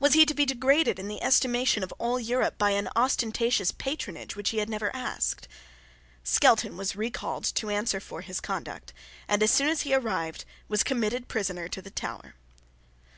Was he to be degraded in the estimation of all Europe, by an ostentatious patronage which he had never asked? Skelton was recalled to answer for his conduct, and, as soon as he arrived, was committed prisoner to the Tower.